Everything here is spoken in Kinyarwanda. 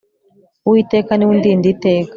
uwiteka niwe undinda iteka